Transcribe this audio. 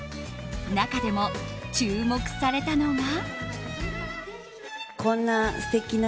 中でも注目されたのが。